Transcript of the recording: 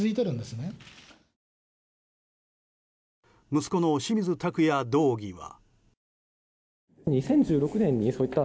息子の清水拓也道議は。